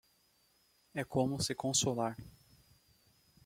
É como se consolar.